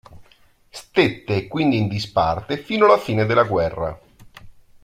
Stette quindi in disparte fino alla fine della guerra.